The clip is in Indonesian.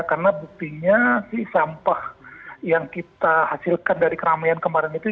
karena buktinya sampah yang kita hasilkan dari keramaian kemarin itu